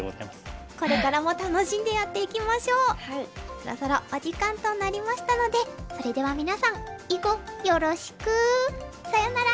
そろそろお時間となりましたのでそれでは皆さんいごよろしく！さようなら！